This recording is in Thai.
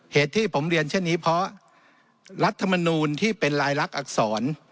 เหตุที่ผมเรียนเช่นนี้เพราะรัฐมนูลที่เป็นลายลักษณอักษร